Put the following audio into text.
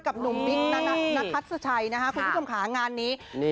กับหนุ่มบิ๊กณคัทศาชัยคุณผู้ชมขางานนี้